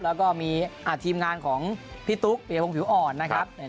แล้วก็มีทีมงานของพี่ตุ๊กเปียพงศ์ผิวอ่อนนะครับ